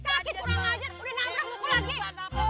sakit kurang ajar udah nak ngerang buku lagi